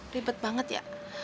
ribet banget ya